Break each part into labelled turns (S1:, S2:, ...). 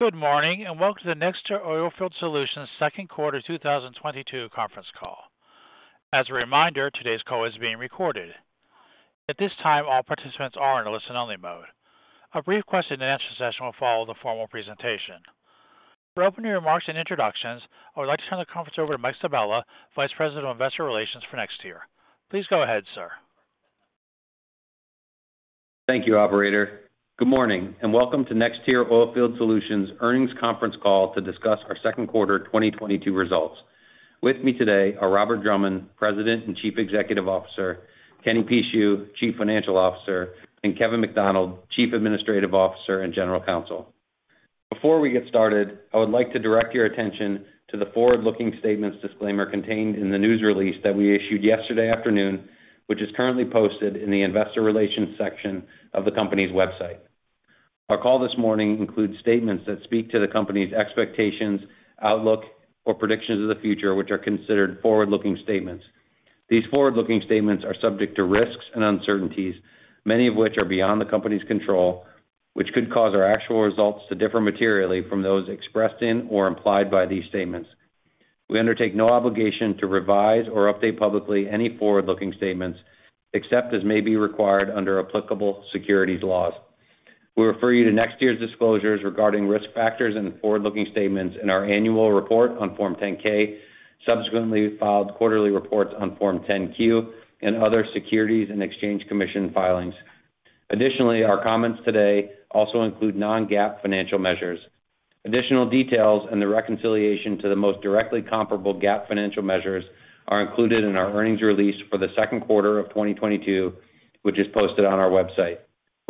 S1: Good morning, and welcome to the NexTier Oilfield Solutions Q2 2022 conference call. As a reminder, today's call is being recorded. At this time, all participants are in a listen-only mode. A brief question and answer session will follow the formal presentation. For opening remarks and introductions, I would like to turn the conference over to Mike Sabella, Vice President of Investor Relations for NexTier. Please go ahead, sir.
S2: Thank you, operator. Good morning, and welcome to NexTier Oilfield Solutions earnings conference call to discuss our Q2 2022 results. With me today are Robert Drummond, President and Chief Executive Officer, Kenneth Pucheu, Chief Financial Officer, and Kevin McDonald, Chief Administrative Officer and General Counsel. Before we get started, I would like to direct your attention to the forward-looking statements disclaimer contained in the news release that we issued yesterday afternoon, which is currently posted in the investor relations section of the company's website. Our call this morning includes statements that speak to the company's expectations, outlook, or predictions of the future, which are considered forward-looking statements. These forward-looking statements are subject to risks and uncertainties, many of which are beyond the company's control, which could cause our actual results to differ materially from those expressed in or implied by these statements. We undertake no obligation to revise or update publicly any forward-looking statements, except as may be required under applicable securities laws. We refer you to NexTier's disclosures regarding risk factors and forward-looking statements in our annual report on Form 10-K, subsequently filed quarterly reports on Form 10-Q, and other Securities and Exchange Commission filings. Additionally, our comments today also include non-GAAP financial measures. Additional details and the reconciliation to the most directly comparable GAAP financial measures are included in our earnings release for the Q2 of 2022, which is posted on our website.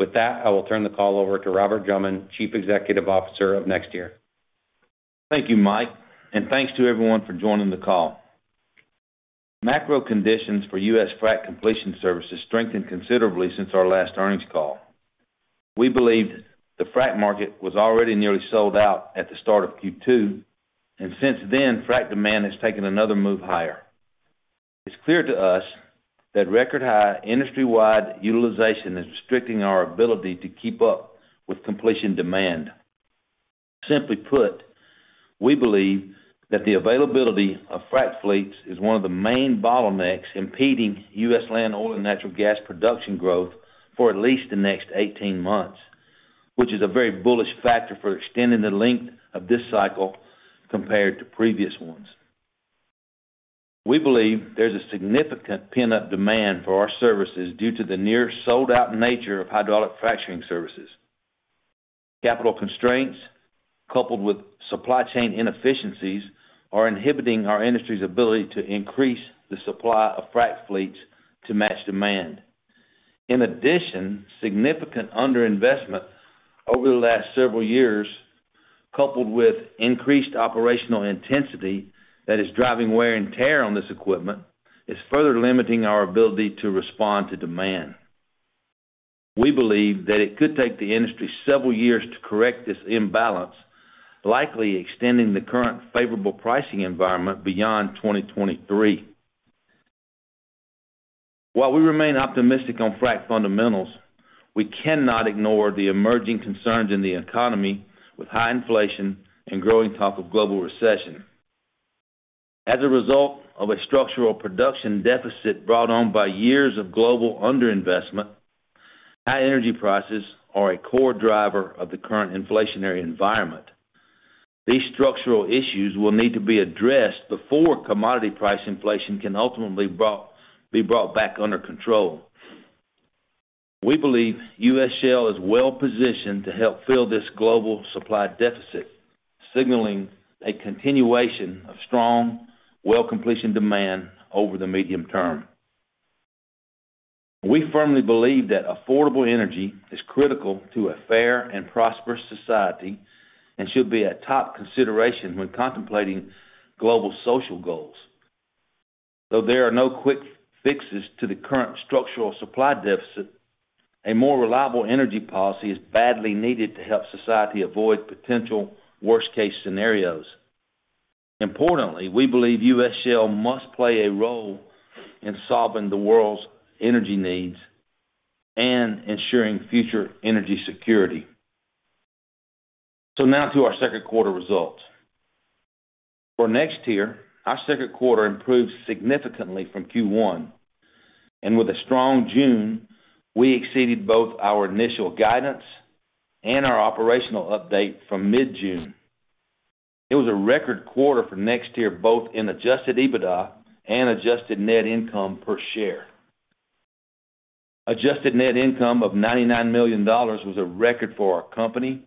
S2: With that, I will turn the call over to Robert Drummond, Chief Executive Officer of NexTier.
S3: Thank you, Mike, and thanks to everyone for joining the call. Macro conditions for U.S. frac completion services strengthened considerably since our last earnings call. We believed the frac market was already nearly sold out at the start of Q2, and since then, frac demand has taken another move higher. It's clear to us that record-high industry-wide utilization is restricting our ability to keep up with completion demand. Simply put, we believe that the availability of frac fleets is one of the main bottlenecks impeding U.S. land oil and natural gas production growth for at least the next 18 months, which is a very bullish factor for extending the length of this cycle compared to previous ones. We believe there's a significant pent-up demand for our services due to the near sold-out nature of hydraulic fracturing services. Capital constraints, coupled with supply chain inefficiencies, are inhibiting our industry's ability to increase the supply of frac fleets to match demand. In addition, significant under-investment over the last several years, coupled with increased operational intensity that is driving wear and tear on this equipment, is further limiting our ability to respond to demand. We believe that it could take the industry several years to correct this imbalance, likely extending the current favorable pricing environment beyond 2023. While we remain optimistic on frac fundamentals, we cannot ignore the emerging concerns in the economy with high inflation and growing talk of global recession. As a result of a structural production deficit brought on by years of global under-investment, high energy prices are a core driver of the current inflationary environment. These structural issues will need to be addressed before commodity price inflation can ultimately be brought back under control. We believe U.S. shale is well-positioned to help fill this global supply deficit, signaling a continuation of strong well completion demand over the medium term. We firmly believe that affordable energy is critical to a fair and prosperous society and should be a top consideration when contemplating global social goals. Though there are no quick fixes to the current structural supply deficit, a more reliable energy policy is badly needed to help society avoid potential worst-case scenarios. Importantly, we believe U.S. shale must play a role in solving the world's energy needs and ensuring future energy security. Now to our Q2 results. For NexTier, our Q2 improved significantly from Q1, and with a strong June, we exceeded both our initial guidance and our operational update from mid-June. It was a record quarter for NexTier, both in adjusted EBITDA and adjusted net income per share. Adjusted net income of $99 million was a record for our company,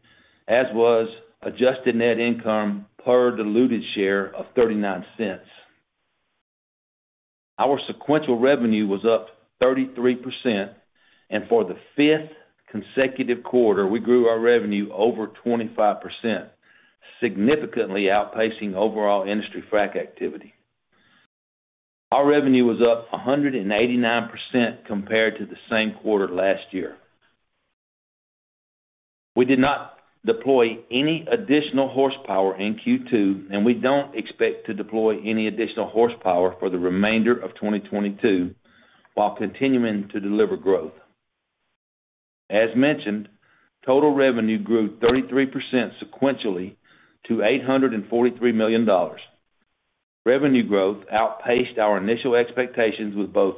S3: as was adjusted net income per diluted share of $0.39. Our sequential revenue was up 33%, and for the fifth consecutive quarter, we grew our revenue over 25%, significantly outpacing overall industry frac activity. Our revenue was up 189% compared to the same quarter last year. We did not deploy any additional horsepower in Q2, and we don't expect to deploy any additional horsepower for the remainder of 2022 while continuing to deliver growth. As mentioned, total revenue grew 33% sequentially to $843 million. Revenue growth outpaced our initial expectations with both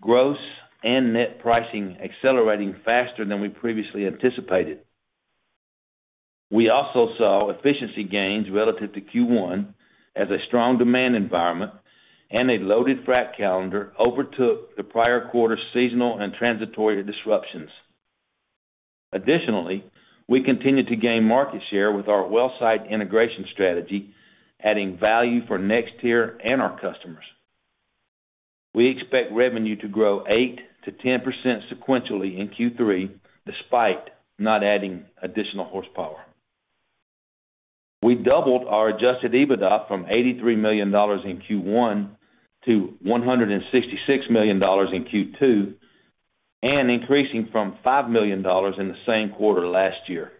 S3: gross and net pricing accelerating faster than we previously anticipated. We also saw efficiency gains relative to Q1 as a strong demand environment and a loaded frac calendar overtook the prior quarter's seasonal and transitory disruptions. Additionally, we continued to gain market share with our well site integration strategy, adding value for NexTier and our customers. We expect revenue to grow 8%-10% sequentially in Q3, despite not adding additional horsepower. We doubled our adjusted EBITDA from $83 million in Q1 to $166 million in Q2, and increasing from $5 million in the same quarter last year.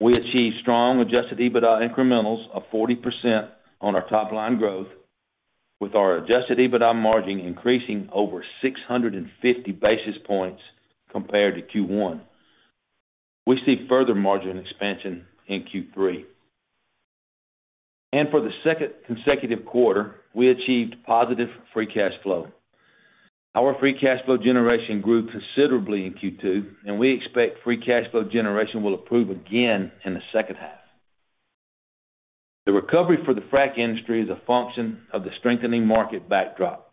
S3: We achieved strong adjusted EBITDA incrementals of 40% on our top line growth, with our adjusted EBITDA margin increasing over 650 basis points compared to Q1. We see further margin expansion in Q3. For the second consecutive quarter, we achieved positive free cash flow. Our free cash flow generation grew considerably in Q2, and we expect free cash flow generation will improve again in the H2. The recovery for the frac industry is a function of the strengthening market backdrop.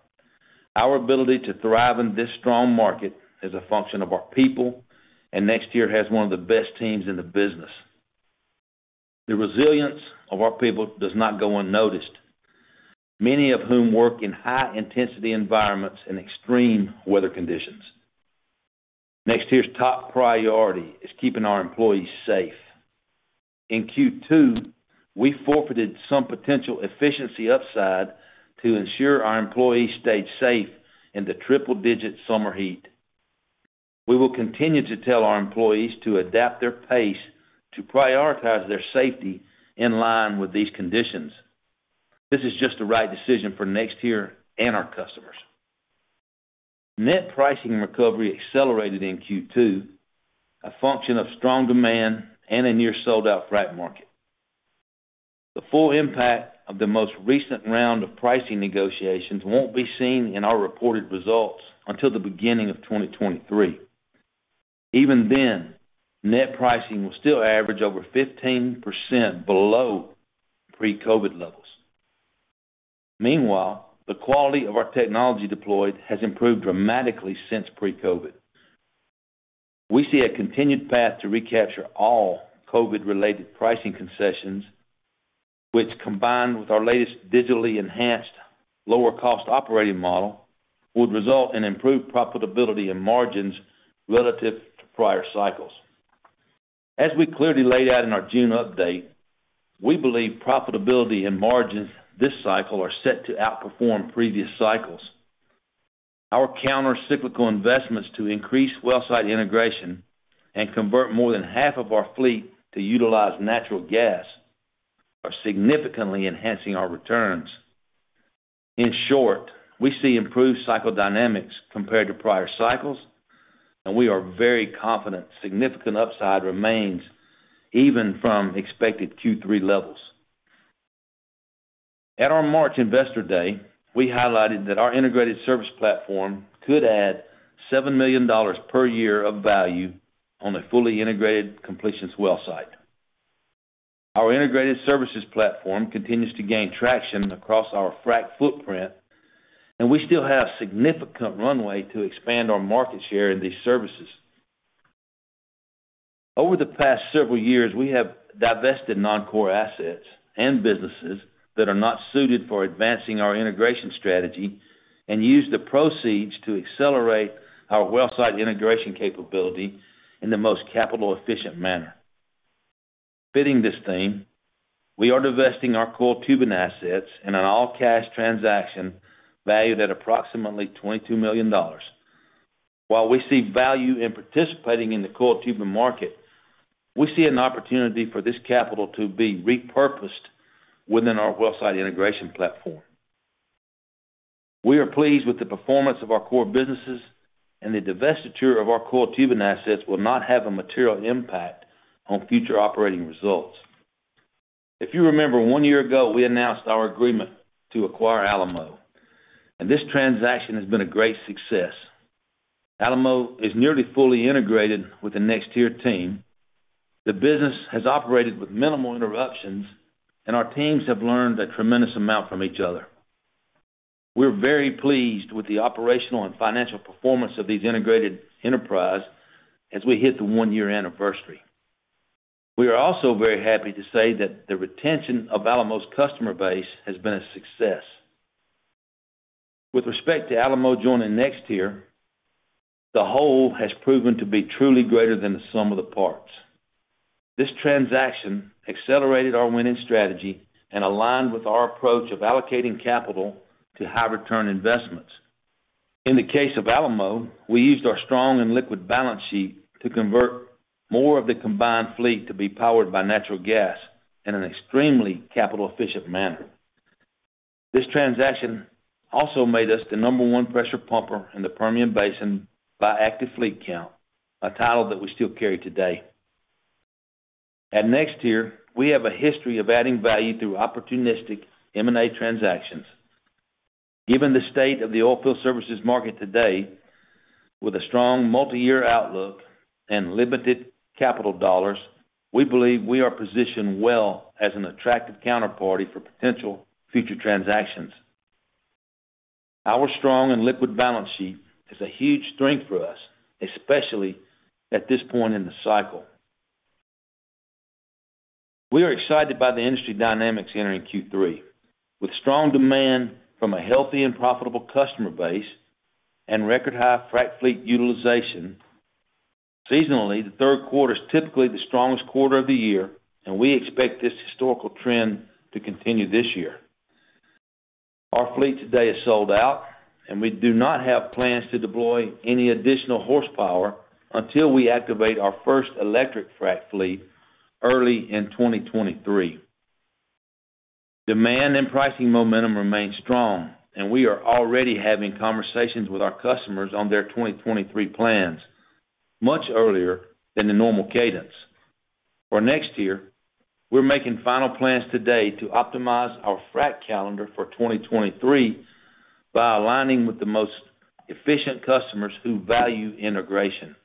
S3: Our ability to thrive in this strong market is a function of our people, and NexTier has one of the best teams in the business. The resilience of our people does not go unnoticed, many of whom work in high-intensity environments and extreme weather conditions. NexTier's top priority is keeping our employees safe. In Q2, we forfeited some potential efficiency upside to ensure our employees stayed safe in the triple-digit summer heat. We will continue to tell our employees to adapt their pace to prioritize their safety in line with these conditions. This is just the right decision for NexTier and our customers. Net pricing recovery accelerated in Q2, a function of strong demand and a near sold-out frac market. The full impact of the most recent round of pricing negotiations won't be seen in our reported results until the beginning of 2023. Even then, net pricing will still average over 15% below pre-COVID levels. Meanwhile, the quality of our technology deployed has improved dramatically since pre-COVID. We see a continued path to recapture all COVID-related pricing concessions, which, combined with our latest digitally enhanced lower cost operating model, would result in improved profitability and margins relative to prior cycles. As we clearly laid out in our June update, we believe profitability and margins this cycle are set to outperform previous cycles. Our countercyclical investments to increase well site integration and convert more than half of our fleet to utilize natural gas are significantly enhancing our returns. In short, we see improved cycle dynamics compared to prior cycles, and we are very confident significant upside remains even from expected Q3 levels. At our March Investor Day, we highlighted that our integrated service platform could add $7 million per year of value on a fully integrated completions well site. Our integrated services platform continues to gain traction across our frac footprint, and we still have significant runway to expand our market share in these services. Over the past several years, we have divested non-core assets and businesses that are not suited for advancing our integration strategy and used the proceeds to accelerate our well site integration capability in the most capital efficient manner. Fitting this theme, we are divesting our coiled tubing assets in an all-cash transaction valued at approximately $22 million. While we see value in participating in the coiled tubing market, we see an opportunity for this capital to be repurposed within our well site integration platform. We are pleased with the performance of our core businesses, and the divestiture of our coiled tubing assets will not have a material impact on future operating results. If you remember, one year ago, we announced our agreement to acquire Alamo, and this transaction has been a great success. Alamo is nearly fully integrated with the NexTier team. The business has operated with minimal interruptions, and our teams have learned a tremendous amount from each other. We're very pleased with the operational and financial performance of these integrated enterprise as we hit the one-year anniversary. We are also very happy to say that the retention of Alamo's customer base has been a success. With respect to Alamo joining NexTier, the whole has proven to be truly greater than the sum of the parts. This transaction accelerated our winning strategy and aligned with our approach of allocating capital to high return investments. In the case of Alamo, we used our strong and liquid balance sheet to convert more of the combined fleet to be powered by natural gas in an extremely capital efficient manner. This transaction also made us the number one pressure pumper in the Permian Basin by active fleet count, a title that we still carry today. At NexTier, we have a history of adding value through opportunistic M&A transactions. Given the state of the oilfield services market today, with a strong multi-year outlook and limited capital dollars, we believe we are positioned well as an attractive counterparty for potential future transactions. Our strong and liquid balance sheet is a huge strength for us, especially at this point in the cycle. We are excited by the industry dynamics entering Q3, with strong demand from a healthy and profitable customer base and record high frac fleet utilization. Seasonally, the Q3 is typically the strongest quarter of the year, and we expect this historical trend to continue this year. Our fleet today is sold out, and we do not have plans to deploy any additional horsepower until we activate our first electric frac fleet early in 2023. Demand and pricing momentum remain strong, and we are already having conversations with our customers on their 2023 plans much earlier than the normal cadence. For next year, we're making final plans today to optimize our frac calendar for 2023 by aligning with the most efficient customers who value integration.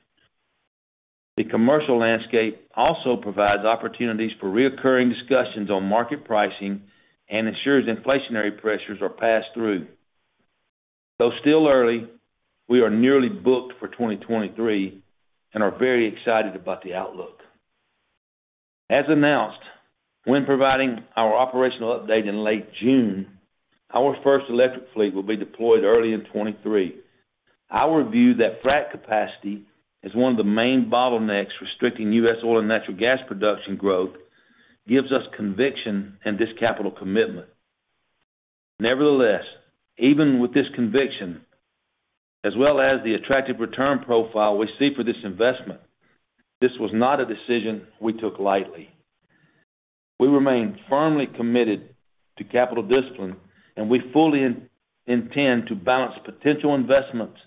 S3: The commercial landscape also provides opportunities for recurring discussions on market pricing and ensures inflationary pressures are passed through. Though still early, we are nearly booked for 2023 and are very excited about the outlook. As announced, when providing our operational update in late June, our first electric fleet will be deployed early in 2023. Our view that frac capacity is one of the main bottlenecks restricting U.S. oil and natural gas production growth gives us conviction in this capital commitment. Nevertheless, even with this conviction, as well as the attractive return profile we see for this investment, this was not a decision we took lightly. We remain firmly committed to capital discipline, and we fully intend to balance potential investments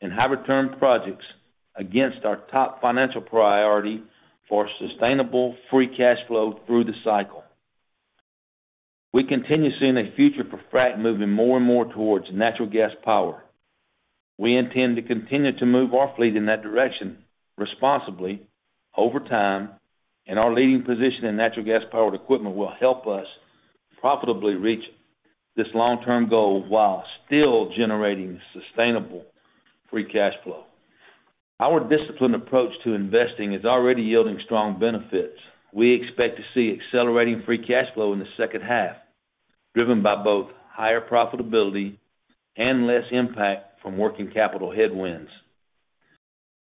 S3: in high return projects against our top financial priority for sustainable free cash flow through the cycle. We continue seeing a future for frac moving more and more towards natural gas power. We intend to continue to move our fleet in that direction responsibly over time, and our leading position in natural gas powered equipment will help us profitably reach this long-term goal while still generating sustainable free cash flow. Our disciplined approach to investing is already yielding strong benefits. We expect to see accelerating free cash flow in the H2, driven by both higher profitability and less impact from working capital headwinds.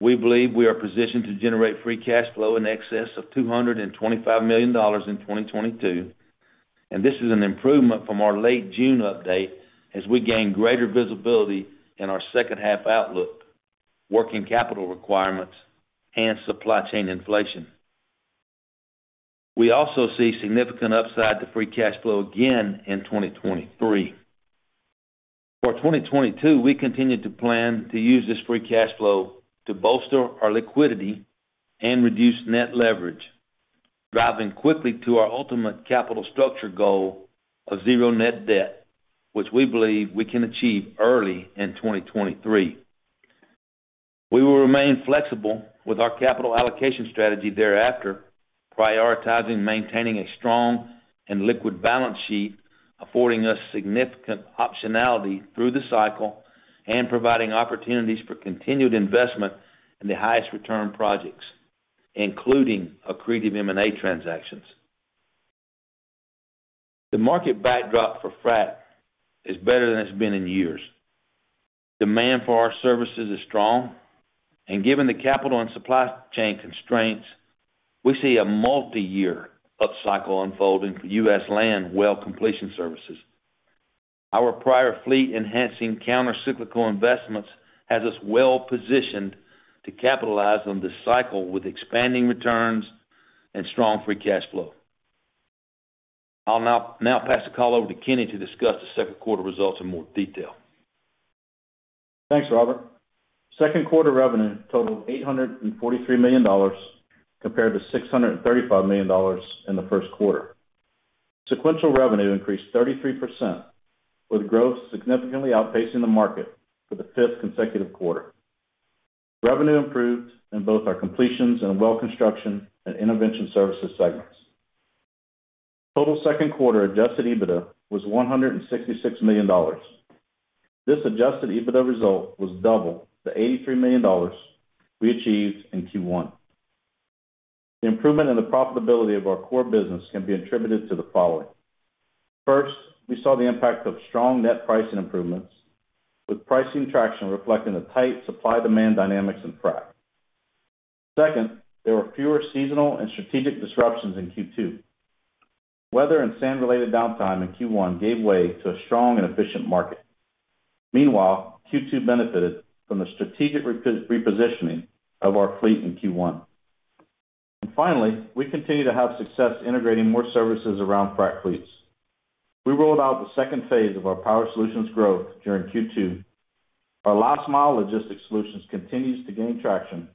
S3: We believe we are positioned to generate free cash flow in excess of $225 million in 2022, and this is an improvement from our late June update as we gain greater visibility in our H2 outlook, working capital requirements, and supply chain inflation. We also see significant upside to free cash flow again in 2023. For 2022, we continue to plan to use this free cash flow to bolster our liquidity and reduce net leverage, driving quickly to our ultimate capital structure goal of zero net debt, which we believe we can achieve early in 2023. We will remain flexible with our capital allocation strategy thereafter, prioritizing maintaining a strong and liquid balance sheet, affording us significant optionality through the cycle and providing opportunities for continued investment in the highest return projects, including accretive M&A transactions. The market backdrop for frac is better than it's been in years. Demand for our services is strong, and given the capital and supply chain constraints, we see a multi-year upcycle unfolding for U.S. land well completion services. Our prior fleet enhancing counter-cyclical investments has us well positioned to capitalize on this cycle with expanding returns and strong free cash flow. I'll now pass the call over to Kenny to discuss the Q2 results in more detail.
S4: Thanks, Robert. Q2 revenue totaled $843 million compared to $635 million in the Q1. Sequential revenue increased 33%, with growth significantly outpacing the market for the fifth consecutive quarter. Revenue improved in both our completions and well construction and intervention services segments. Total Q2 adjusted EBITDA was $166 million. This adjusted EBITDA result was double the $83 million we achieved in Q1. The improvement in the profitability of our core business can be attributed to the following. First, we saw the impact of strong net pricing improvements, with pricing traction reflecting the tight supply-demand dynamics in frac. Second, there were fewer seasonal and strategic disruptions in Q2. Weather and sand-related downtime in Q1 gave way to a strong and efficient market. Meanwhile, Q2 benefited from the strategic repositioning of our fleet in Q1. Finally, we continue to have success integrating more services around frac fleets. We rolled out the second phase of our Power Solutions growth during Q2. Our last mile logistics solutions continues to gain traction,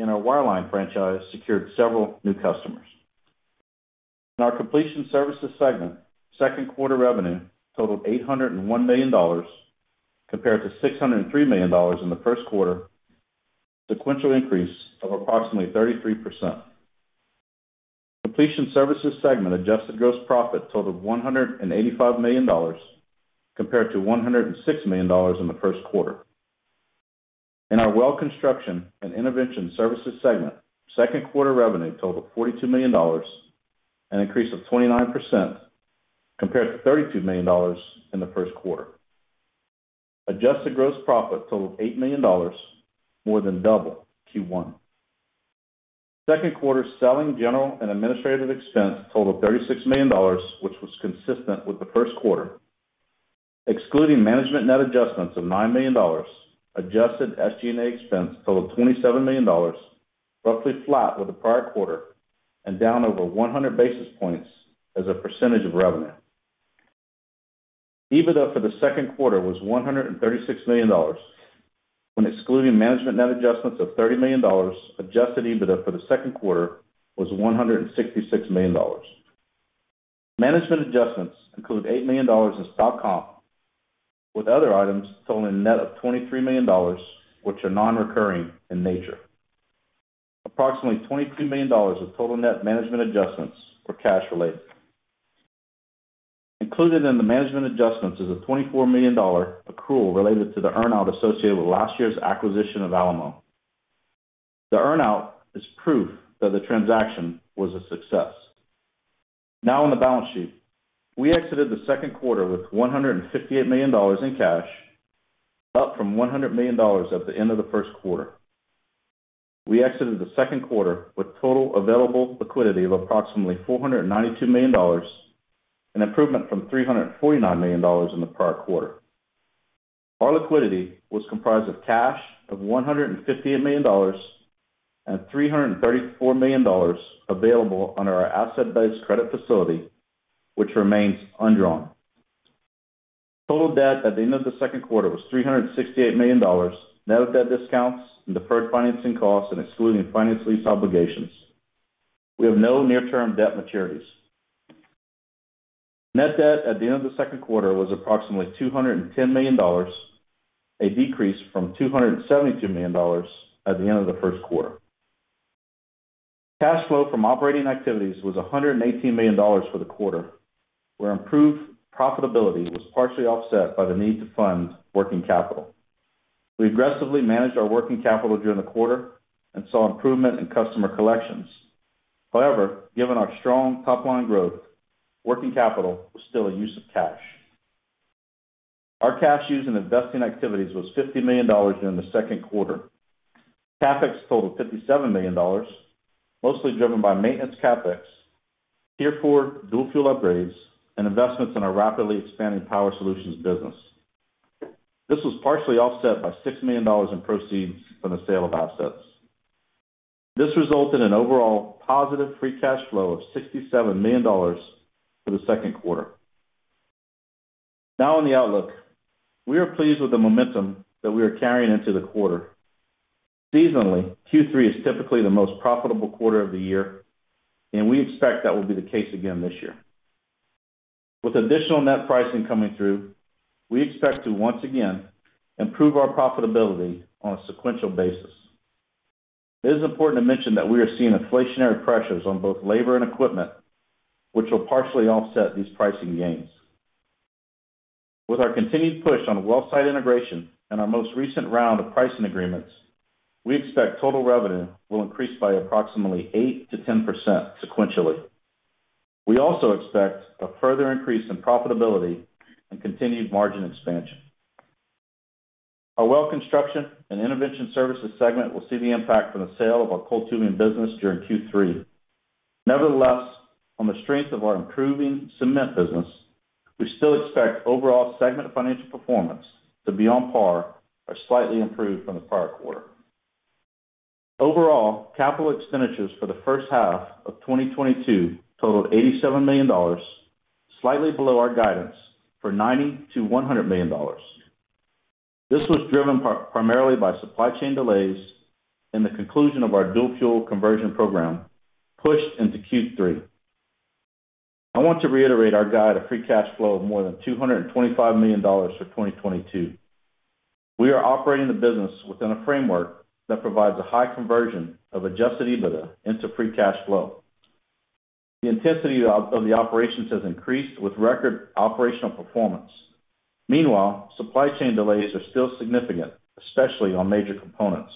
S4: and our wireline franchise secured several new customers. In our Completion Services segment, Q2 revenue totaled $801 million compared to $603 million in the Q1, a sequential increase of approximately 33%. Completion Services segment adjusted gross profit totaled $185 million compared to $106 million in the Q1. In our Well Construction and Intervention Services segment, Q2 revenue totaled $42 million, an increase of 29% compared to $32 million in the Q1. Adjusted gross profit totaled $8 million, more than double Q1. Q2 selling, general, and administrative expense totaled $36 million, which was consistent with the Q1. Excluding management net adjustments of $9 million, adjusted SG&A expense totaled $27 million, roughly flat with the prior quarter and down over 100 basis points as a percentage of revenue. EBITDA for the Q2 was $136 million. When excluding management net adjustments of $30 million, adjusted EBITDA for the Q2 was $166 million. Management adjustments include $8 million in stock comp with other items totaling net of $23 million, which are non-recurring in nature. Approximately $22 million of total net management adjustments were cash related. Included in the management adjustments is a $24 million accrual related to the earn-out associated with last year's acquisition of Alamo. The earn-out is proof that the transaction was a success. Now on the balance sheet. We exited the Q2 with $158 million in cash, up from $100 million at the end of the Q1. We exited the Q2 with total available liquidity of approximately $492 million, an improvement from $349 million in the prior quarter. Our liquidity was comprised of cash of $158 million and $334 million available under our asset-based credit facility, which remains undrawn. Total debt at the end of the Q2 was $368 million, net of debt discounts and deferred financing costs and excluding finance lease obligations. We have no near-term debt maturities. Net debt at the end of the Q2 was approximately $210 million, a decrease from $272 million at the end of the Q1. Cash flow from operating activities was $118 million for the quarter, while improved profitability was partially offset by the need to fund working capital. We aggressively managed our working capital during the quarter and saw improvement in customer collections. However, given our strong top-line growth, working capital was still a use of cash. Our cash use in investing activities was $50 million during the Q2. CapEx totaled $57 million, mostly driven by maintenance CapEx, Tier 4 dual fuel upgrades, and investments in our rapidly expanding Power Solutions business. This was partially offset by $6 million in proceeds from the sale of assets. This resulted in overall positive free cash flow of $67 million for the Q2. Now, on the outlook. We are pleased with the momentum that we are carrying into the quarter. Seasonally, Q3 is typically the most profitable quarter of the year, and we expect that will be the case again this year. With additional net pricing coming through, we expect to once again improve our profitability on a sequential basis. It is important to mention that we are seeing inflationary pressures on both labor and equipment, which will partially offset these pricing gains. With our continued push on well site integration and our most recent round of pricing agreements, we expect total revenue will increase by approximately 8%-10% sequentially. We also expect a further increase in profitability and continued margin expansion. Our Well Construction and Intervention Services segment will see the impact from the sale of our coiled tubing business during Q3. Nevertheless, on the strength of our improving cementing business, we still expect overall segment financial performance to be on par or slightly improved from the prior quarter. Overall, capital expenditures for the H1 of 2022 totaled $87 million, slightly below our guidance for $90 million-$100 million. This was driven primarily by supply chain delays and the conclusion of our dual fuel conversion program pushed into Q3. I want to reiterate our guide of free cash flow of more than $225 million for 2022. We are operating the business within a framework that provides a high conversion of adjusted EBITDA into free cash flow. The intensity of the operations has increased with record operational performance. Meanwhile, supply chain delays are still significant, especially on major components.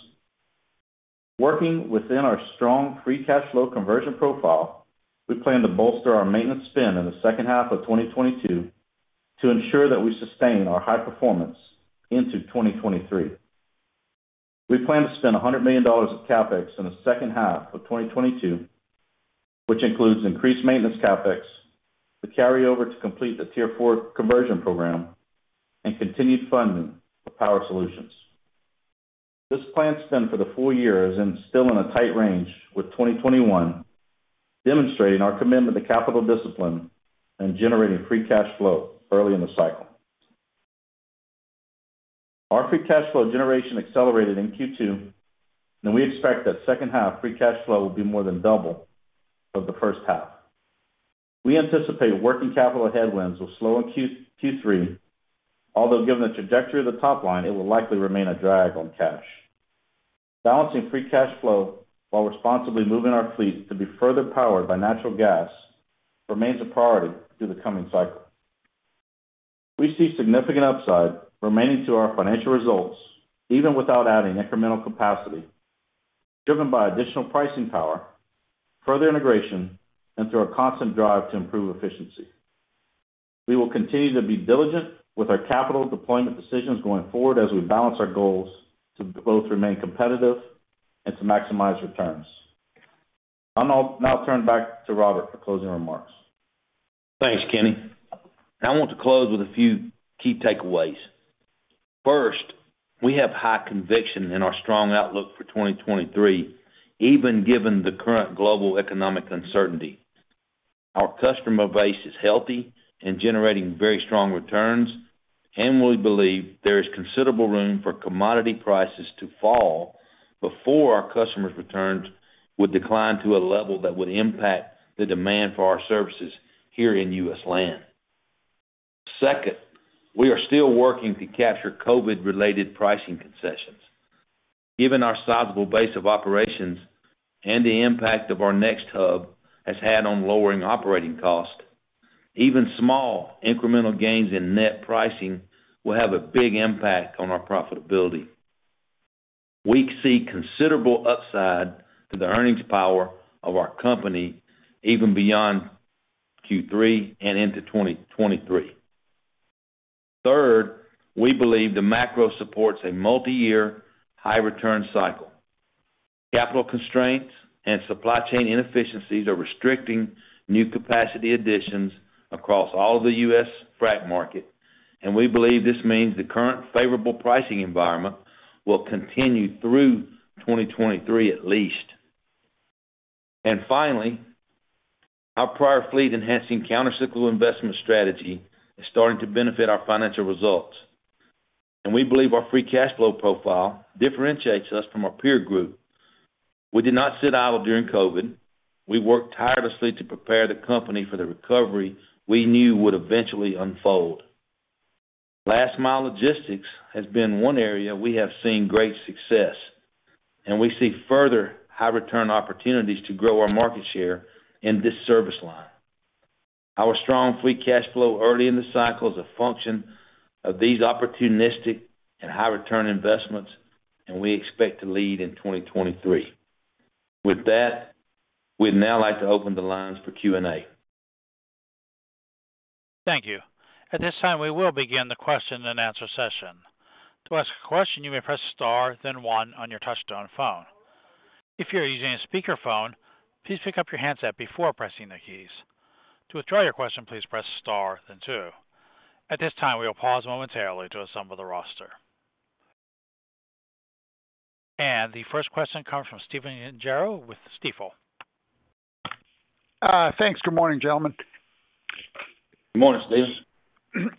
S4: Working within our strong free cash flow conversion profile, we plan to bolster our maintenance spend in the H2 of 2022 to ensure that we sustain our high performance into 2023. We plan to spend $100 million of CapEx in the H2 of 2022, which includes increased maintenance CapEx, the carryover to complete the Tier 4 conversion program, and continued funding for Power Solutions. This plan spend for the full year is still in a tight range, with 2021 demonstrating our commitment to capital discipline and generating free cash flow early in the cycle. Our free cash flow generation accelerated in Q2, and we expect that H2 free cash flow will be more than double of the H1. We anticipate working capital headwinds will slow in Q3, although given the trajectory of the top line, it will likely remain a drag on cash. Balancing free cash flow while responsibly moving our fleet to be further powered by natural gas remains a priority through the coming cycle. We see significant upside remaining to our financial results even without adding incremental capacity, driven by additional pricing power, further integration, and through our constant drive to improve efficiency. We will continue to be diligent with our capital deployment decisions going forward as we balance our goals to both remain competitive and to maximize returns. I'll now turn back to Robert for closing remarks.
S3: Thanks, Kenny. I want to close with a few key takeaways. First, we have high conviction in our strong outlook for 2023, even given the current global economic uncertainty. Our customer base is healthy and generating very strong returns, and we believe there is considerable room for commodity prices to fall before our customers' returns would decline to a level that would impact the demand for our services here in U.S. Land. Second, we are still working to capture COVID-related pricing concessions. Given our sizable base of operations and the impact of our NexHub has had on lowering operating costs, even small incremental gains in net pricing will have a big impact on our profitability. We see considerable upside to the earnings power of our company even beyond Q3 and into 2023. Third, we believe the macro supports a multi-year high return cycle. Capital constraints and supply chain inefficiencies are restricting new capacity additions across all the U.S. frac market, and we believe this means the current favorable pricing environment will continue through 2023 at least. Finally, our prior fleet enhancing counter-cyclical investment strategy is starting to benefit our financial results, and we believe our free cash flow profile differentiates us from our peer group. We did not sit idle during COVID. We worked tirelessly to prepare the company for the recovery we knew would eventually unfold. last mile logistics has been one area we have seen great success, and we see further high return opportunities to grow our market share in this service line. Our strong free cash flow early in the cycle is a function of these opportunistic and high return investments, and we expect to lead in 2023. With that, we'd now like to open the lines for Q&A.
S1: Thank you. At this time, we will begin the question and answer session. To ask a question, you may press star then one on your touchtone phone. If you're using a speakerphone, please pick up your handset before pressing the keys. To withdraw your question, please press star then two. At this time, we will pause momentarily to assemble the roster. The first question comes from Stephen Gengaro with Stifel.
S5: Thanks. Good morning, gentlemen.
S3: Good morning, Stephen.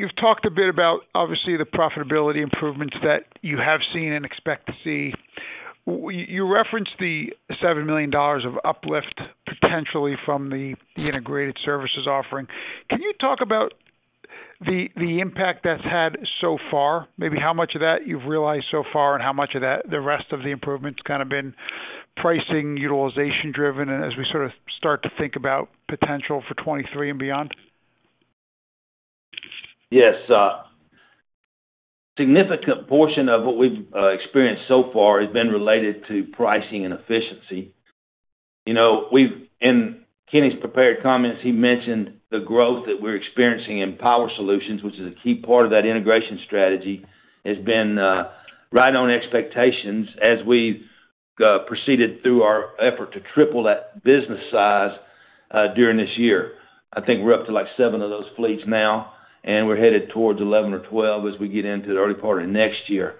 S5: You've talked a bit about obviously the profitability improvements that you have seen and expect to see. You referenced the $7 million of uplift potentially from the integrated services offering. Can you talk about the impact that's had so far? Maybe how much of that you've realized so far and how much of that the rest of the improvements kind of been pricing utilization driven as we sort of start to think about potential for 2023 and beyond?
S3: Yes. A significant portion of what we've experienced so far has been related to pricing and efficiency. You know, in Kenny's prepared comments, he mentioned the growth that we're experiencing in Power Solutions, which is a key part of that integration strategy, has been right on expectations as we've proceeded through our effort to triple that business size during this year. I think we're up to like seven of those fleets now, and we're headed towards 11 or 12 as we get into the early part of next year.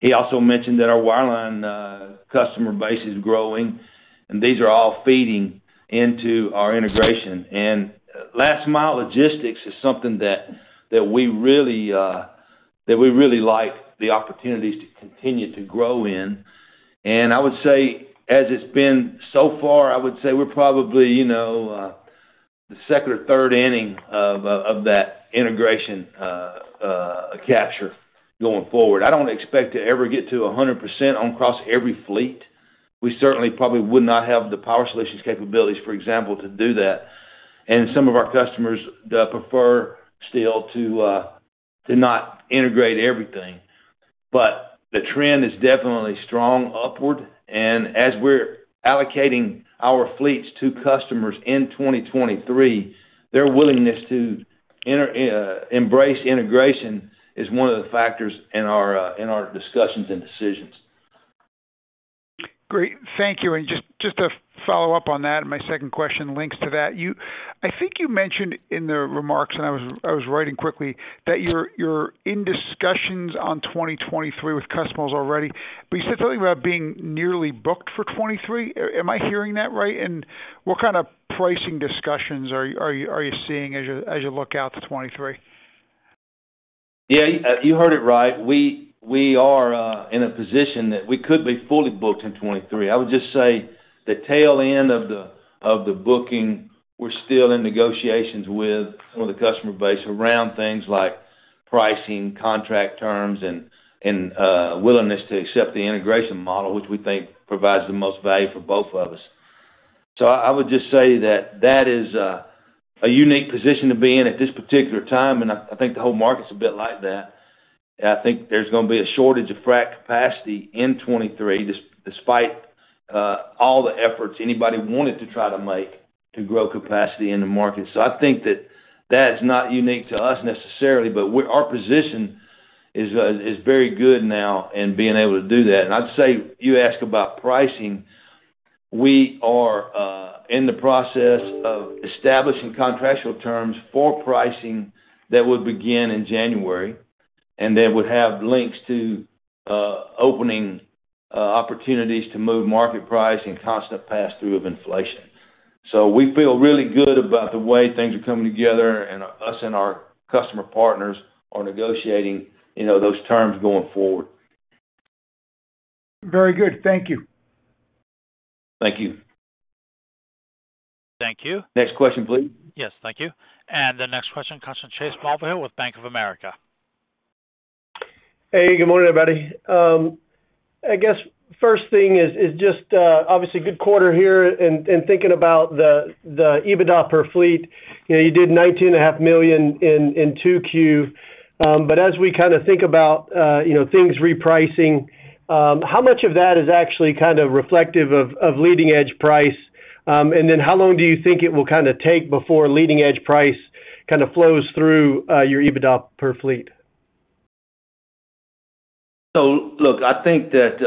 S3: He also mentioned that our wireline customer base is growing, and these are all feeding into our integration. Last mile logistics is something that we really like the opportunities to continue to grow in. I would say as it's been so far, I would say we're probably, you know, the second or third inning of that integration capture going forward. I don't expect to ever get to 100% across every fleet. We certainly probably would not have the Power Solutions capabilities, for example, to do that. Some of our customers prefer still to not integrate everything. The trend is definitely strong upward. As we're allocating our fleets to customers in 2023, their willingness to embrace integration is one of the factors in our discussions and decisions.
S5: Great. Thank you. Just to follow up on that, and my second question links to that. You, I think you mentioned in the remarks, and I was writing quickly, that you're in discussions on 2023 with customers already. But you said something about being nearly booked for 2023. Am I hearing that right? What kind of pricing discussions are you seeing as you look out to 2023?
S3: Yeah, you heard it right. We are in a position that we could be fully booked in 2023. I would just say the tail end of the booking, we're still in negotiations with some of the customer base around things like pricing, contract terms, and willingness to accept the integration model, which we think provides the most value for both of us. I would just say that is a unique position to be in at this particular time, and I think the whole market's a bit like that. I think there's gonna be a shortage of frac capacity in 2023, despite all the efforts anybody wanted to try to make to grow capacity in the market. I think that that's not unique to us necessarily, but our position is very good now in being able to do that. I'd say, you ask about pricing. We are in the process of establishing contractual terms for pricing that would begin in January, and that would have links to opening opportunities to move market price and constant pass-through of inflation. We feel really good about the way things are coming together, and us and our customer partners are negotiating, you know, those terms going forward.
S5: Very good. Thank you.
S3: Thank you.
S1: Thank you.
S3: Next question, please.
S1: Yes, thank you. The next question comes from Chase Mulvehill with Bank of America.
S6: Hey, good morning, everybody. I guess first thing is just obviously good quarter here and thinking about the EBITDA per fleet. You know, you did $19.5 million in 2Q. But as we kinda think about you know things repricing, how much of that is actually kind of reflective of leading edge price? And then how long do you think it will kinda take before leading edge price kinda flows through your EBITDA per fleet?
S3: Look, I think that,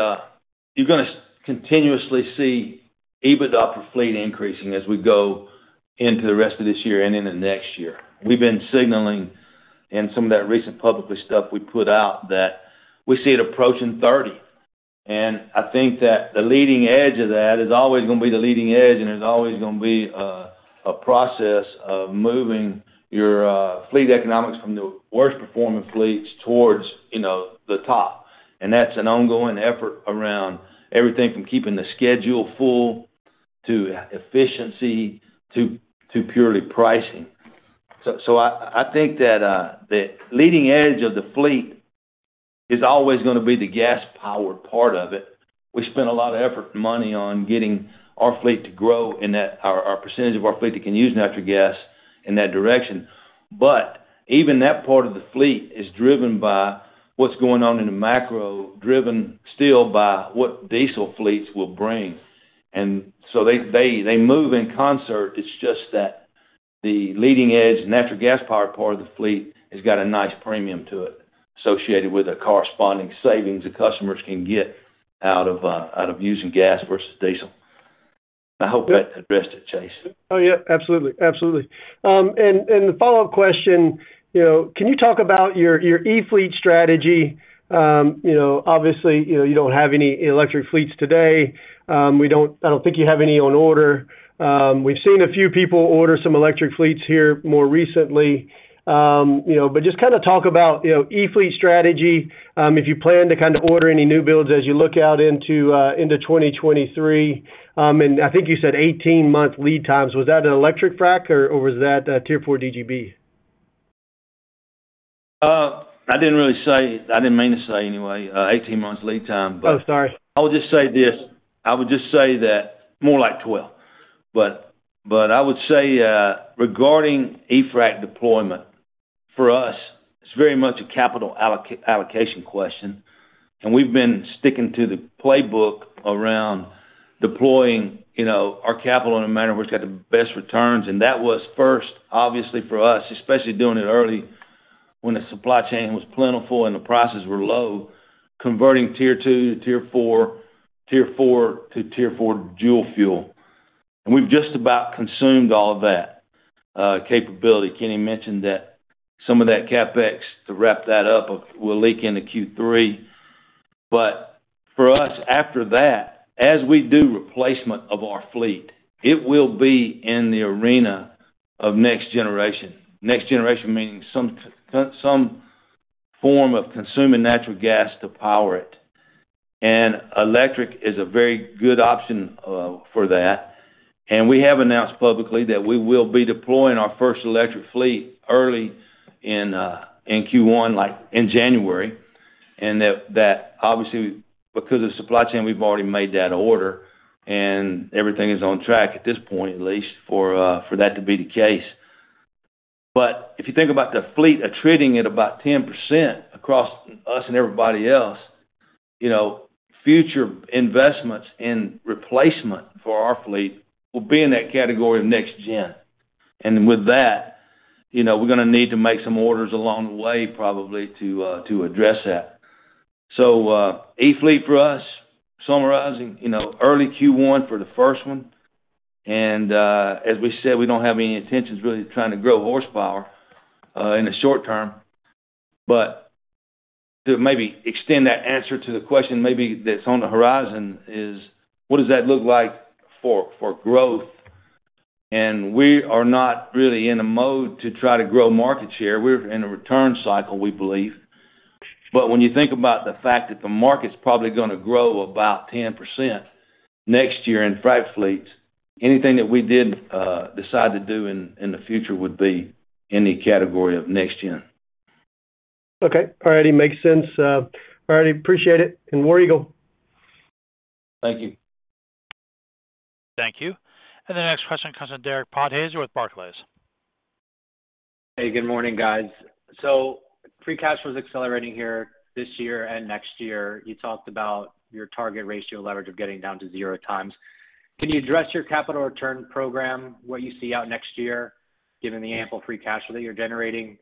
S3: you're gonna continuously see EBITDA per fleet increasing as we go into the rest of this year and into next year. We've been signaling in some of that recent publicly stuff we put out that we see it approaching 30. I think that the leading edge of that is always gonna be the leading edge, and it's always gonna be a process of moving your fleet economics from the worst performing fleets towards, you know, the top. That's an ongoing effort around everything from keeping the schedule full to efficiency to purely pricing. I think that the leading edge of the fleet is always gonna be the gas powered part of it. We spent a lot of effort and money on getting our fleet to grow in that our percentage of our fleet that can use natural gas in that direction. But even that part of the fleet is driven by what's going on in the macro, driven still by what diesel fleets will bring. They move in concert. It's just that the leading edge natural gas powered part of the fleet has got a nice premium to it associated with a corresponding savings the customers can get out of using gas versus diesel. I hope that addressed it, Chase.
S6: Oh, yeah. Absolutely. And the follow-up question, you know, can you talk about your e-fleet strategy? You know, obviously, you know, you don't have any electric fleets today. I don't think you have any on order. We've seen a few people order some electric fleets here more recently. You know, but just kinda talk about, you know, e-fleet strategy, if you plan to kind of order any new builds as you look out into 2023. And I think you said 18-month lead times. Was that an e-frac or was that a Tier 4 DGB?
S3: I didn't mean to say anyway, 18 months lead time.
S6: Oh, sorry.
S3: I would just say this. I would just say that more like 12. But I would say regarding e-frac deployment, for us, it's very much a capital allocation question. We've been sticking to the playbook around deploying, you know, our capital in a manner where it's got the best returns, and that was first, obviously, for us, especially doing it early when the supply chain was plentiful and the prices were low, converting Tier 2-Tier 4, Tier 4-Tier 4 dual fuel. We've just about consumed all of that capability. Kenny mentioned that some of that CapEx to wrap that up will leak into Q3. For us, after that, as we do replacement of our fleet, it will be in the arena of next generation. Next generation meaning some form of consuming natural gas to power it. Electric is a very good option for that. We have announced publicly that we will be deploying our first e-fleet early in Q1, like in January. That obviously, because of supply chain, we've already made that order, and everything is on track at this point, at least, for that to be the case. If you think about the fleet attriting at about 10% across the U.S. and everybody else. You know, future investments in replacement for our fleet will be in that category of next gen. With that, you know, we're gonna need to make some orders along the way probably to address that. E-fleet for us, summarizing, you know, early Q1 for the first one. As we said, we don't have any intentions really trying to grow horsepower in the short term. To maybe extend that answer to the question maybe that's on the horizon is what does that look like for growth? We are not really in a mode to try to grow market share. We're in a return cycle, we believe. When you think about the fact that the market's probably gonna grow about 10% next year in frac fleets, anything that we did decide to do in the future would be in the category of next gen.
S6: Okay. All right. Makes sense. All right. Appreciate it. War Eagle.
S3: Thank you.
S1: Thank you. The next question comes from Derek Podhaizer with Barclays.
S7: Hey, good morning, guys. Free cash was accelerating here this year and next year. You talked about your target ratio leverage of getting down to zero times. Can you address your capital return program, what you see out next year, given the ample free cash flow that you're generating?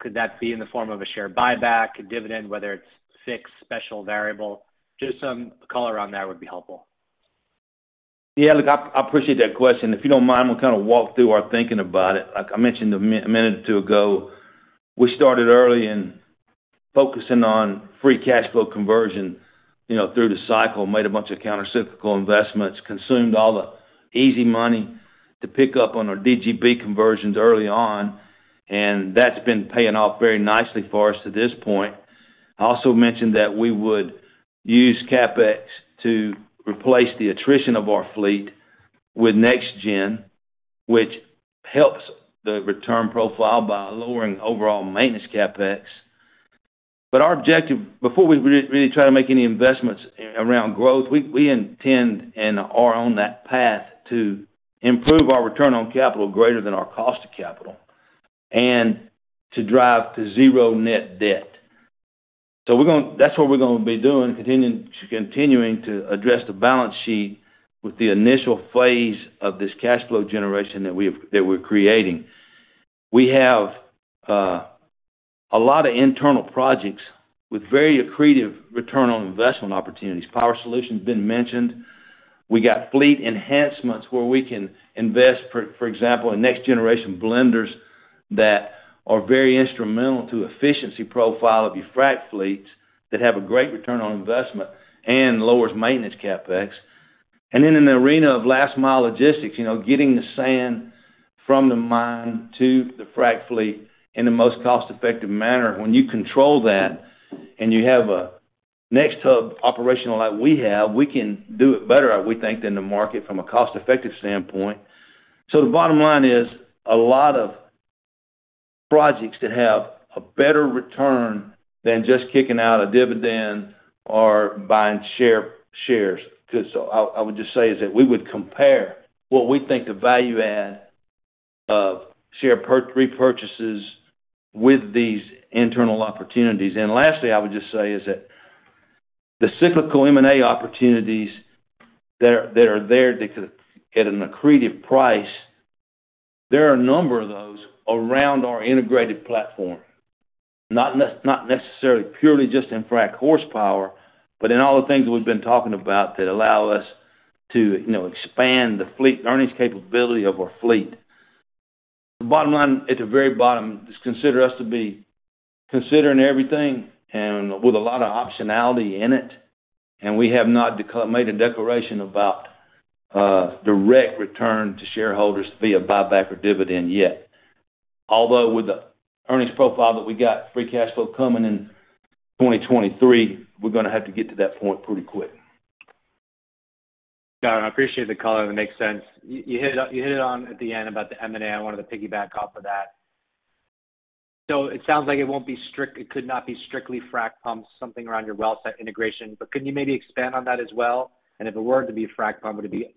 S7: Could that be in the form of a share buyback, a dividend, whether it's fixed, special, variable? Just some color on that would be helpful.
S3: Yeah, look, I appreciate that question. If you don't mind, we'll kind of walk through our thinking about it. Like I mentioned a minute or two ago, we started early in focusing on free cash flow conversion, you know, through the cycle, made a bunch of countercyclical investments, consumed all the easy money to pick up on our DGB conversions early on, and that's been paying off very nicely for us to this point. I also mentioned that we would use CapEx to replace the attrition of our fleet with next gen, which helps the return profile by lowering overall maintenance CapEx. Our objective, before we really try to make any investments around growth, we intend and are on that path to improve our return on capital greater than our cost of capital and to drive to zero net debt. That's what we're gonna be doing, continuing to address the balance sheet with the initial phase of this cash flow generation that we're creating. We have a lot of internal projects with very accretive return on investment opportunities. Power Solutions been mentioned. We got fleet enhancements where we can invest, for example, in next generation blenders that are very instrumental to efficiency profile of your frac fleets that have a great return on investment and lowers maintenance CapEx. Then in the arena of last mile logistics, you know, getting the sand from the mine to the frac fleet in the most cost effective manner. When you control that and you have a NexHub operational like we have, we can do it better, we think, than the market from a cost effective standpoint. The bottom line is a lot of projects that have a better return than just kicking out a dividend or buying shares. I would just say is that we would compare what we think the value add of share repurchases with these internal opportunities. Lastly, I would just say is that the cyclical M&A opportunities that are there to get an accretive price. There are a number of those around our integrated platform, not necessarily purely just in frac horsepower, but in all the things that we've been talking about that allow us to, you know, expand the fleet earnings capability of our fleet. The bottom line at the very bottom is consider us to be considering everything and with a lot of optionality in it. We have not made a declaration about direct return to shareholders via buyback or dividend yet. Although with the earnings profile that we got, free cash flow coming in 2023, we're gonna have to get to that point pretty quick.
S7: Got it. I appreciate the color. That makes sense. You hit it on the head at the end about the M&A. I wanted to piggyback off of that. It sounds like it won't be strictly frac pumps, something around your well site integration. Can you maybe expand on that as well? If it were to be a frac pump, would it be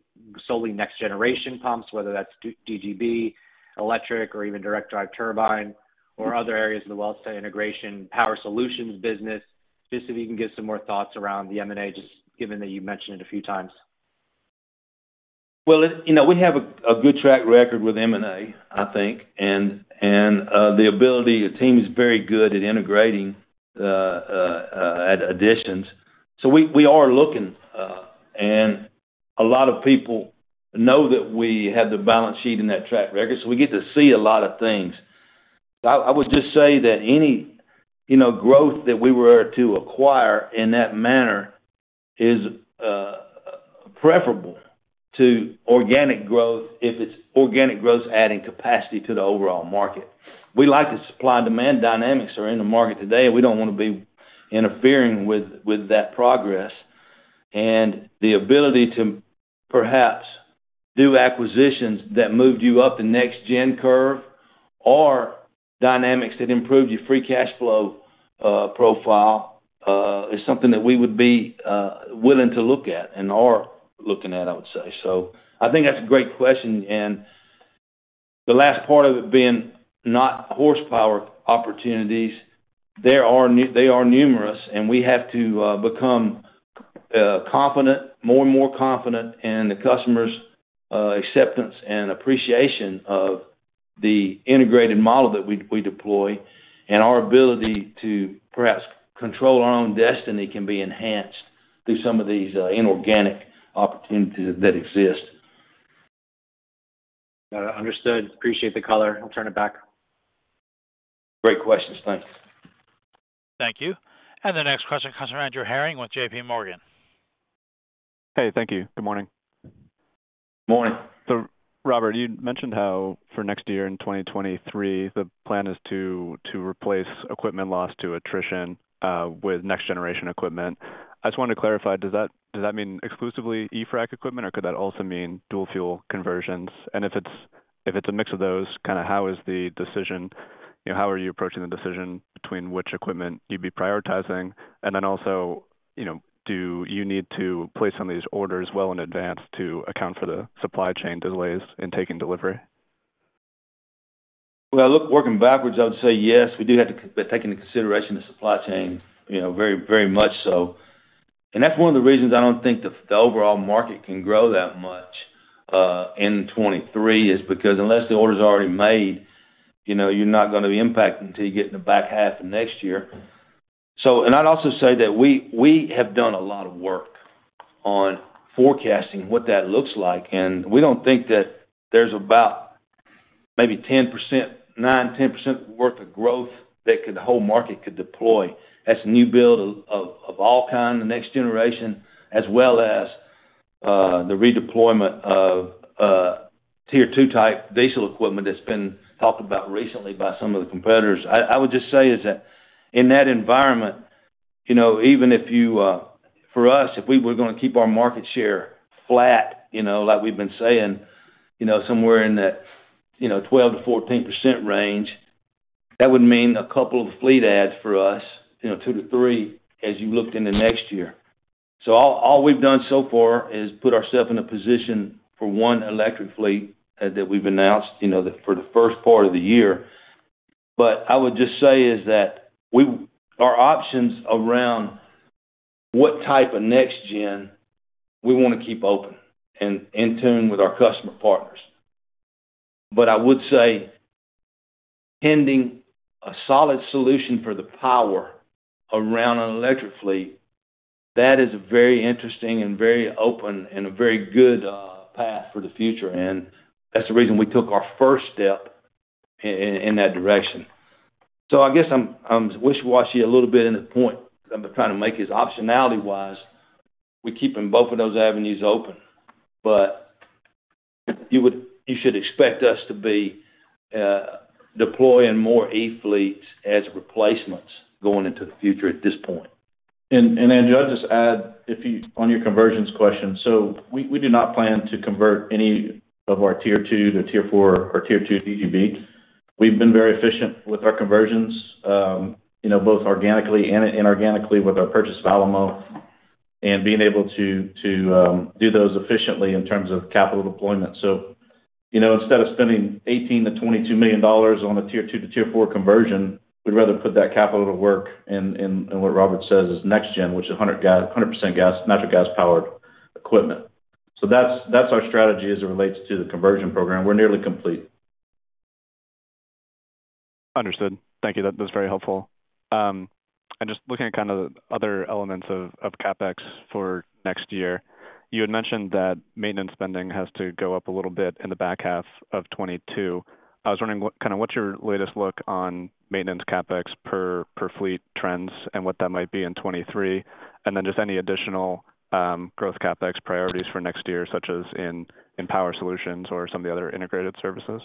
S7: solely next generation pumps, whether that's 2 DGB, electric or even direct drive turbine or other areas of the well site integration, Power Solutions business? If you can give some more thoughts around the M&A, just given that you mentioned it a few times.
S3: Well, you know, we have a good track record with M&A, I think. The ability, the team is very good at integrating at additions. We are looking, and a lot of people know that we have the balance sheet and that track record, so we get to see a lot of things. I would just say that any, you know, growth that we were to acquire in that manner is preferable to organic growth if it's organic growth adding capacity to the overall market. We like the supply and demand dynamics that are in the market today. We don't wanna be interfering with that progress. The ability to perhaps do acquisitions that moved you up the next gen curve or dynamics that improve your free cash flow profile is something that we would be willing to look at and are looking at, I would say. I think that's a great question, and the last part of it being not horsepower opportunities. They are numerous, and we have to become confident, more and more confident in the customer's acceptance and appreciation of the integrated model that we deploy. Our ability to perhaps control our own destiny can be enhanced through some of these inorganic opportunities that exist.
S7: Understood. Appreciate the color. I'll turn it back.
S3: Great questions. Thanks.
S1: Thank you. The next question comes from Arun Jayaram with J.P. Morgan.
S8: Hey, thank you. Good morning.
S3: Morning.
S8: Robert, you mentioned how for next year in 2023, the plan is to replace equipment lost to attrition with next generation equipment. I just wanted to clarify, does that mean exclusively e-frac equipment, or could that also mean dual fuel conversions? And if it's a mix of those, kind of how is the decision, you know, how are you approaching the decision between which equipment you'd be prioritizing? And then also, you know, do you need to place some of these orders well in advance to account for the supply chain delays in taking delivery?
S3: Well, look, working backwards, I would say yes, we do have to take into consideration the supply chain, you know, very, very much so. That's one of the reasons I don't think the overall market can grow that much in 2023, is because unless the order is already made, you know, you're not gonna be impacted until you get in the back half of next year. I'd also say that we have done a lot of work on forecasting what that looks like, and we don't think that there's about maybe 10%, 9%-10% worth of growth that the whole market could deploy. That's the new build of all kind, the next generation, as well as the redeployment of Tier 2 type diesel equipment that's been talked about recently by some of the competitors. I would just say is that in that environment, you know, for us, if we were gonna keep our market share flat, you know, like we've been saying, you know, somewhere in that 12%-14% range, that would mean a couple of fleet adds for us, you know, 2-3, as you looked into next year. All we've done so far is put ourselves in a position for one electric fleet that we've announced, you know, for the first part of the year. I would just say is that our options around what type of next gen we wanna keep open and in tune with our customer partners. I would say pending a solid solution for the power around an electric fleet, that is a very interesting and very open and a very good path for the future. That's the reason we took our first step in that direction. I guess I'm wish-washy a little bit. The point I'm trying to make is, optionality-wise, we're keeping both of those avenues open. You should expect us to be deploying more e-fleets as replacements going into the future at this point.
S4: Arun, I'll just add on your conversions question. We do not plan to convert any of our Tier 2-Tier 4 or Tier 2 DGB. We've been very efficient with our conversions, you know, both organically and inorganically with our purchase of Alamo and being able to do those efficiently in terms of capital deployment. You know, instead of spending $18 million-$22 million on a Tier 2-Tier 4 conversion, we'd rather put that capital to work in what Robert says is next gen, which is 100% natural gas powered equipment. That's our strategy as it relates to the conversion program. We're nearly complete.
S8: Understood. Thank you. That, that's very helpful. Just looking at kind of the other elements of CapEx for next year, you had mentioned that maintenance spending has to go up a little bit in the back half of 2022. I was wondering kinda what's your latest look on maintenance CapEx per fleet trends and what that might be in 2023? Then just any additional growth CapEx priorities for next year, such as in Power Solutions or some of the other integrated services.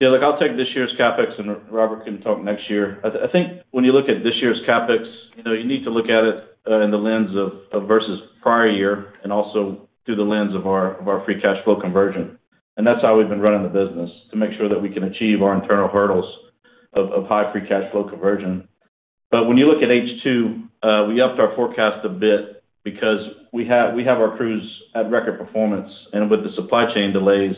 S4: Yeah, look, I'll take this year's CapEx, and Robert can talk next year. I think when you look at this year's CapEx, you know, you need to look at it in the lens of versus prior year and also through the lens of our free cash flow conversion. That's how we've been running the business, to make sure that we can achieve our internal hurdles of high free cash flow conversion. When you look at H2, we upped our forecast a bit because we have our crews at record performance. With the supply chain delays,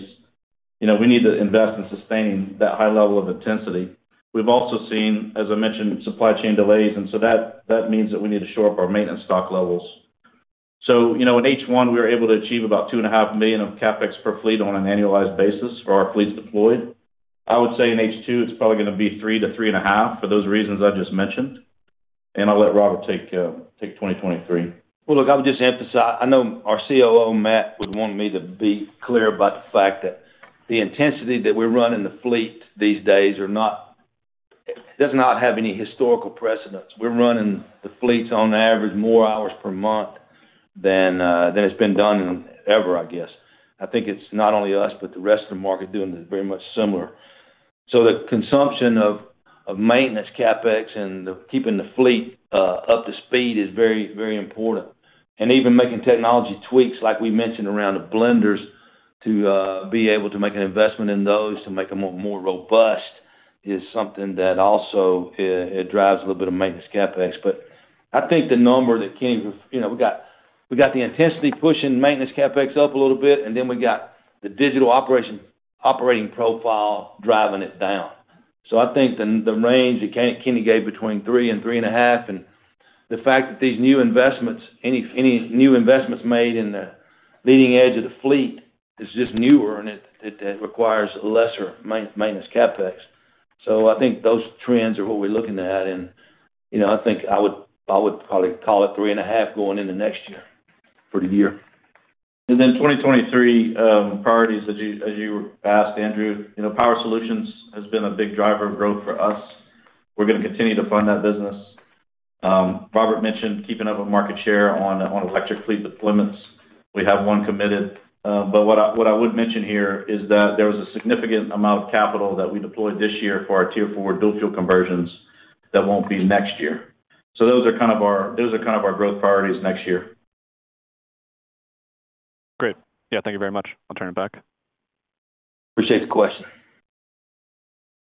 S4: you know, we need to invest in sustaining that high level of intensity. We've also seen, as I mentioned, supply chain delays, and so that means that we need to shore up our maintenance stock levels. You know, in H1, we were able to achieve about $2.5 million of CapEx per fleet on an annualized basis for our fleets deployed. I would say in H2, it's probably gonna be $3 million-$3.5 million for those reasons I just mentioned. I'll let Robert take 2023.
S3: Well, look, I would just emphasize. I know our COO, Matt, would want me to be clear about the fact that the intensity that we're running the fleet these days does not have any historical precedent. We're running the fleets on average more hours per month than than it's been done in ever, I guess. I think it's not only us, but the rest of the market doing it very much similar. The consumption of maintenance CapEx and the keeping the fleet up to speed is very, very important. Even making technology tweaks, like we mentioned around the blenders, to be able to make an investment in those to make them more robust is something that also it drives a little bit of maintenance CapEx. But I think the number that Kenny was, you know, we got the intensity pushing maintenance CapEx up a little bit, and then we got the digital operating profile driving it down. I think the range that Kenny gave between three and 3.5, and the fact that these new investments, any new investments made in the leading edge of the fleet is just newer, and it requires lesser maintenance CapEx. I think those trends are what we're looking at and, you know, I think I would probably call it 3.5 going into next year for the year.
S4: 2023 priorities, as you asked, Arun. You know, Power Solutions has been a big driver of growth for us. We're gonna continue to fund that business. Robert mentioned keeping up with market share on e-fleet deployments. We have one committed. But what I would mention here is that there was a significant amount of capital that we deployed this year for our Tier 4 dual fuel conversions that won't be next year. Those are kind of our growth priorities next year.
S8: Great. Yeah, thank you very much. I'll turn it back.
S3: Appreciate the question.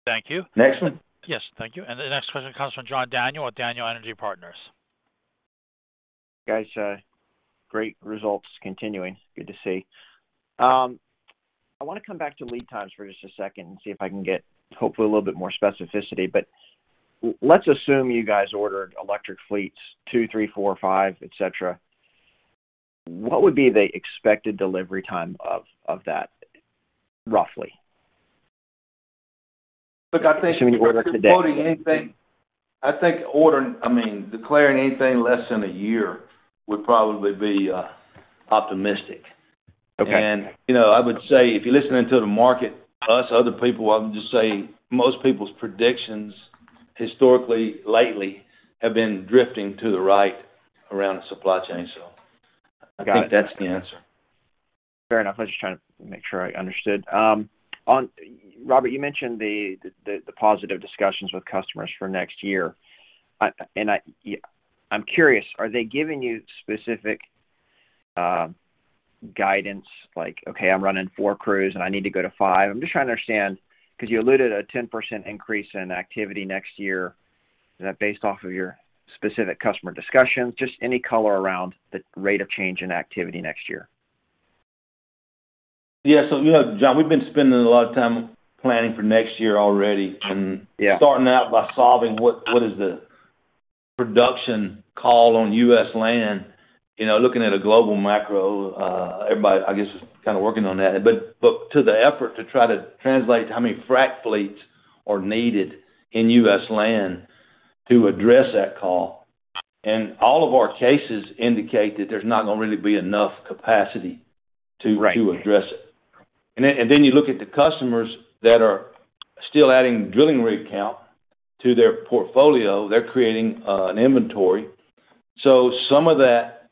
S1: Thank you.
S4: Next one.
S1: Yes, thank you. The next question comes from John Daniel with Daniel Energy Partners.
S9: Guys, great results continuing. Good to see. I wanna come back to lead times for just a second and see if I can get, hopefully, a little bit more specificity. Let's assume you guys ordered electric fleets, two, three, four, five, etc. What would be the expected delivery time of that, roughly?
S3: Look, I think-
S9: If you were to order today.
S3: If we're quoting anything, I think, I mean, declaring anything less than a year would probably be optimistic.
S9: Okay.
S3: You know, I would say if you're listening to the market, plus other people, I would just say most people's predictions historically, lately, have been drifting to the right around the supply chain. I think that's the answer.
S9: Fair enough. I was just trying to make sure I understood. Robert, you mentioned the positive discussions with customers for next year. I'm curious, are they giving you specific guidance like, "Okay, I'm running four crews, and I need to go to five"? I'm just trying to understand, 'cause you alluded to a 10% increase in activity next year. Is that based off of your specific customer discussions? Just any color around the rate of change in activity next year.
S3: Yeah. You know, John, we've been spending a lot of time planning for next year already.
S9: Yeah.
S3: Starting out by solving what is the production call on U.S. land. You know, looking at a global macro, everybody, I guess, is kinda working on that. To the effort to try to translate how many frack fleets are needed in U.S. land to address that call. All of our cases indicate that there's not gonna really be enough capacity to address it. Then you look at the customers that are still adding drilling rig count to their portfolio, they're creating an inventory. Some of that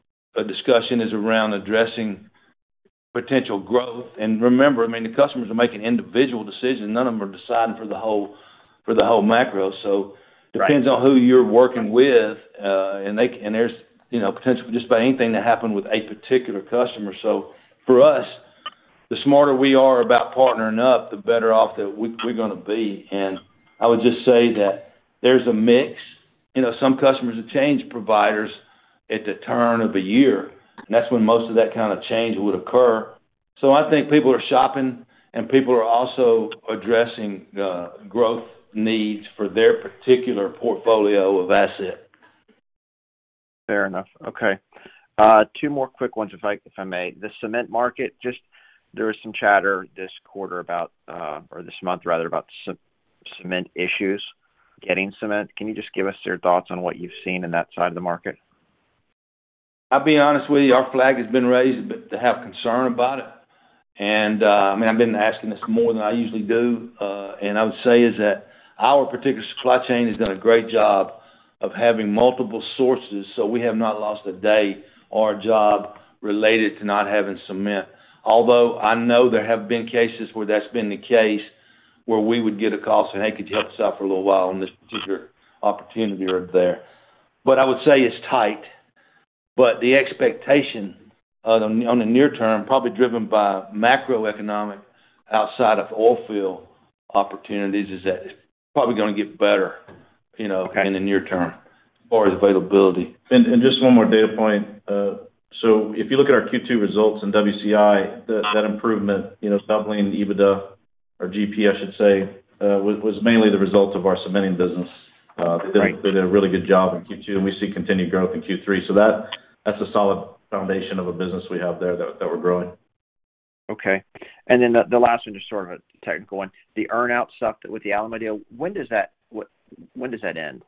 S3: discussion is around addressing potential growth. Remember, I mean, the customers are making individual decisions. None of them are deciding for the whole macro. Depends on who you're working with, and there's, you know, potential just about anything that happened with a particular customer. For us, the smarter we are about partnering up, the better off that we're gonna be. I would just say that there's a mix. You know, some customers have changed providers at the turn of the year. That's when most of that kinda change would occur. So I think people are shopping, and people are also addressing growth needs for their particular portfolio of assets.
S9: Fair enough. Okay. Two more quick ones if I may. The cementing market, just there was some chatter this quarter about, or this month rather, about cementing issues. Can you just give us your thoughts on what you've seen in that side of the market?
S3: I'll be honest with you, our flag has been raised but to have concern about it. I mean, I've been asking this more than I usually do, and I would say is that our particular supply chain has done a great job of having multiple sources, so we have not lost a day or a job related to not having cementing. Although, I know there have been cases where that's been the case, where we would get a call saying, "Hey, could you help us out for a little while on this particular opportunity right there?" I would say it's tight, but the expectation on the near term, probably driven by macroeconomic outside of oil field opportunities, is that it's probably gonna get better, you know. In the near term as far as availability.
S4: Just one more data point. If you look at our Q2 results in WCI, that improvement, you know, in EBITDA or GPS, I should say, was mainly the result of our cementing business.
S9: Great.
S4: They did a really good job in Q2, and we see continued growth in Q3. That's a solid foundation of a business we have there that we're growing.
S9: Okay. The last one, just sort of a technical one. The earn-out stuff with the Alamo, when does that end?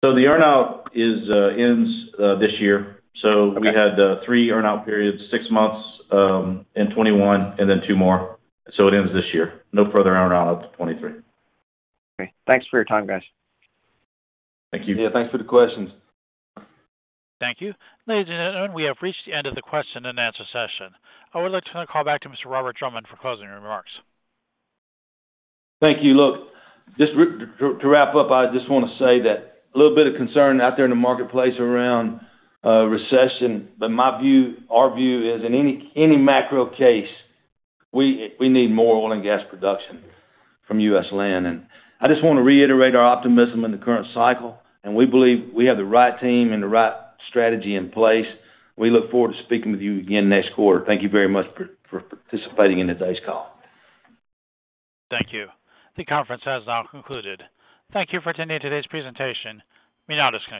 S4: The earn-out ends this year. We had three earn-out periods, six months in 2021, and then two more, and so it ends this year. No further earn-outs till 2023.
S9: Okay. Thanks for your time, guys.
S4: Thank you.
S3: Yeah, thanks for the questions.
S1: Thank you. Ladies and gentlemen, we have reached the end of the question and answer session. I would like to turn the call back to Mr. Robert Drummond for closing remarks.
S3: Thank you. Look, just to wrap up, I just wanna say that a little bit of concern out there in the marketplace around a recession, but my view, our view is in any macro case, we need more oil and gas production from U.S. land. I just wanna reiterate our optimism in the current cycle, and we believe we have the right team and the right strategy in place. We look forward to speaking with you again next quarter. Thank you very much for participating in today's call.
S1: Thank you. The conference has now concluded. Thank you for attending today's presentation. You may now disconnect.